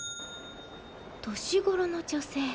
年頃の女性。